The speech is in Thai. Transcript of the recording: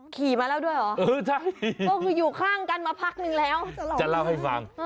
ขี่มาแล้วด้วยเหรอเออใช่ก็คืออยู่ข้างกันมาพักนึงแล้วจะเล่าให้ฟัง